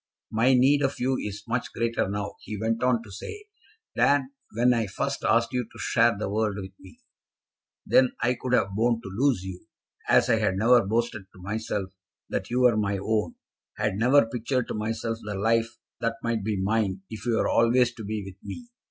"My need of you is much greater now," he went on to say, "than when I first asked you to share the world with me. Then I could have borne to lose you, as I had never boasted to myself that you were my own, had never pictured to myself the life that might be mine if you were always to be with me.